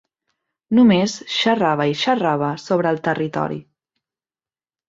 Només xerrava i xerrava sobre el territori.